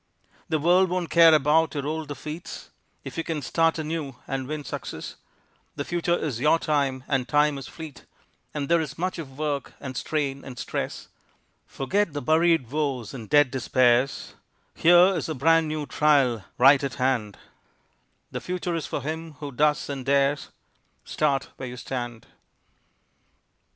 The world won't care about your old defeats If you can start anew and win success, The future is your time, and time is fleet And there is much of work and strain and stress; Forget the buried woes and dead despairs, Here is a brand new trial right at hand, The future is for him who does and dares, Start where you stand.